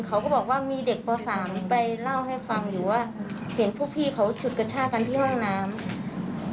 เขาก็บอกว่ามีเด็กปสามไปเล่าให้ฟังอยู่ว่าเห็นพวกพี่เขาฉุดกระชากันที่ห้องน้ำ